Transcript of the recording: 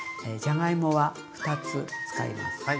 じゃがいもは２つ使います。